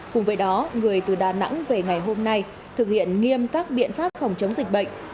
cùng với đó người từ đà nẵng về ngày hôm nay thực hiện nghiêm các biện pháp phòng chống dịch bệnh